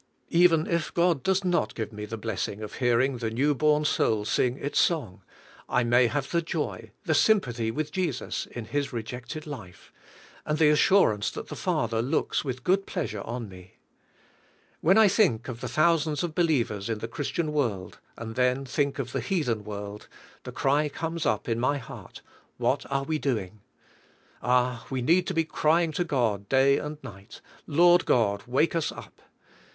Even if God does not give me the blessing of hearing the new born soul sing its song, I may have the joy, the sympathy with Jesus in His rejected life, and the assurance that the Father looks with good pleasure on me. When I think of the thousands of believers in the Christian world and then think of the heathen world, the cry comes up in my heart: "What are we doing? ' Ah, we need to be crying to God da}^ and night, "Lord God, wake us up.